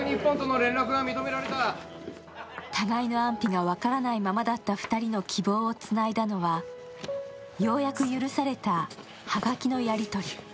互いの安否が分からないままだった２人の希望をつないだのはようやく許された葉書のやりとり。